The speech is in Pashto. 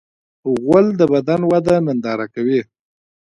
غول د بدن وده ننداره کوي.